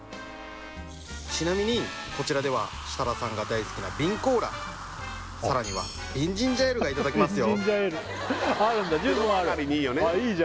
ちなみにこちらでは設楽さんが大好きな瓶コーラさらには瓶ジンジャーエールがいただけますよ